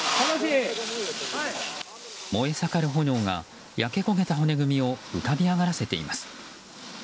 燃え盛る炎が焼け焦げた骨組みを浮かび上がらせています。